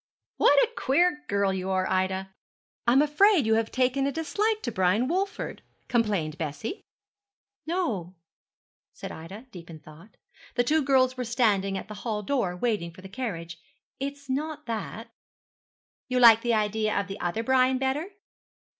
'What a queer girl you are, Ida! I'm afraid you have taken a dislike to Brian Walford,' complained Bessie. 'No,' said Ida, deep in thought, the two girls were standing at the hall door, waiting for the carriage, 'it is not that.' 'You like the idea of the other Brian better?'